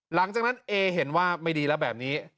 หลังจากนั้นเอเห็นว่าไม่ดีแล้วแบบนี้